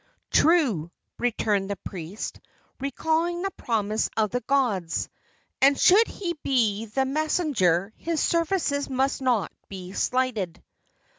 "True," returned the priest, recalling the promise of the gods; "and should he be the messenger, his services must not be slighted."